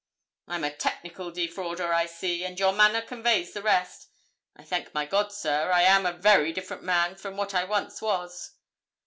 'I'm a technical defrauder, I see, and your manner conveys the rest. I thank my God, sir, I am a very different man from what I once was.'